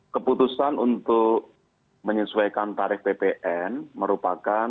keputusan untuk menyesuaikan tarif ppn merupakan